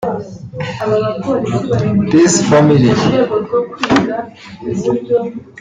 Peace Family